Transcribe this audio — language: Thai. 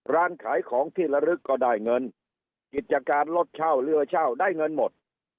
ร้านขายของที่ระลึกก็ได้เงินกิจการรถเช่าเรือเช่าได้เงินหมด